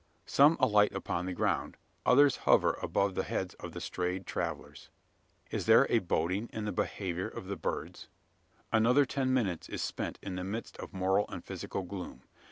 Some alight upon the ground others hover above the heads of the strayed travellers. Is there a boding in the behaviour of the birds? Another ten minutes is spent in the midst of moral and physical gloom.